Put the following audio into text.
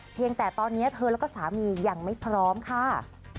แต่ตอนนี้เธอแล้วก็สามียังไม่พร้อมค่ะ